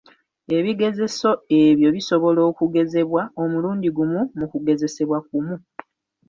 Ebigezeso ebyo bisobola okugezebwa, omulundi gumu mu kugezesebwa kumu.